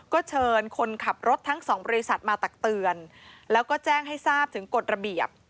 ก็เชิญคนขับรถทั้งสองบริษัทมาตักเตือนแล้วก็แจ้งให้ทราบถึงกฎระเบียบ